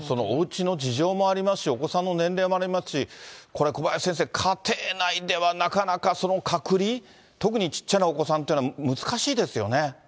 おうちの事情もありますし、お子さんの年齢もありますし、これ、小林先生、家庭内ではなかなか隔離、特にちっちゃなお子さんというのは、難しいですよね。